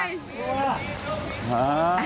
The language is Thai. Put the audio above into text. นี่ค่ะ